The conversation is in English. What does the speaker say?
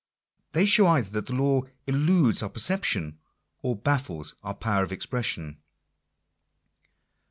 They show either that the law eludes our perception, or baffles our power of expression.